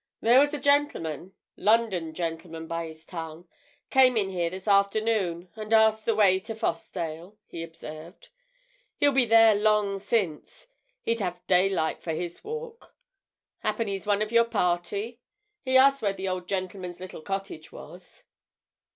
"There was a gentleman—London gentleman by his tongue—came in here this afternoon, and asked the way to Fossdale," he observed. "He'll be there long since—he'd have daylight for his walk. Happen he's one of your party?—he asked where the old gentlemen's little cottage was."